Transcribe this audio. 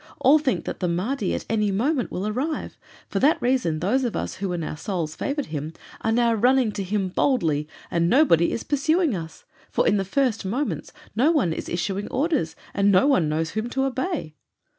All think that the Mahdi at any moment will arrive; for that reason those of us who in our souls favored him are now running to him boldly, and nobody is pursuing us, for in the first moments no one is issuing orders and no one knows whom to obey."